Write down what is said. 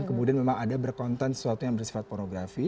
kemudian memang ada berkonten sesuatu yang bersifat pornografi